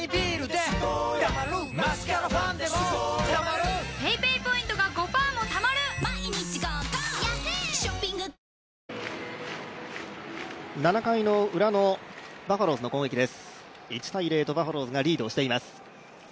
１−０とバファローズがリードしています。